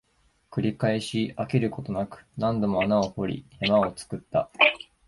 繰り返し、飽きることなく、何度も穴を掘り、山を作った